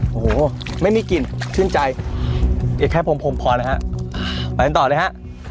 โอ้โหไม่มีกลิ่นชื่นใจอีกแค่ผมผมพอนะฮะไปกันต่อเลยฮะ